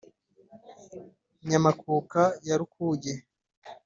nyamakuka ya rukuge,